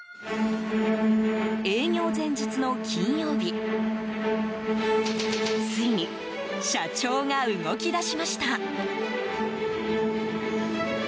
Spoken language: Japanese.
営業前日の金曜日ついに社長が動き出しました。